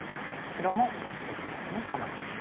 白も星と小目の構えです。